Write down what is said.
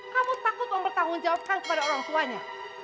kamu takut mempertahankan jawabannya kepada orang tuanya